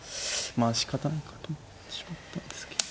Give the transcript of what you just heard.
しかたないかと思ってしまったんですけど。